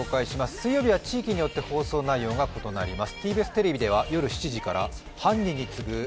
水曜日は地域によって放送が異なります。